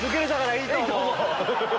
いいと思う。